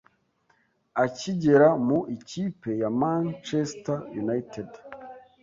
akigera mu ikipe ya Manchester United